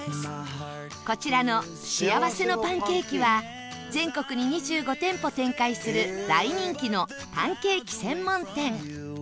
こちらの幸せのパンケーキは全国に２５店舗展開する大人気のパンケーキ専門店